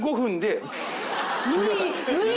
無理。